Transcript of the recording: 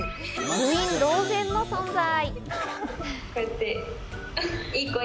部員同然の存在。